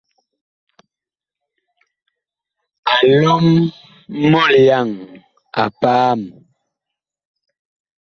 A lɔm mɔlyaŋ a paam.